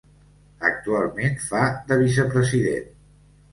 Actualment fa de vicepresident.